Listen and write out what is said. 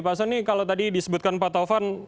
pak sonny kalau tadi disebutkan pak tovan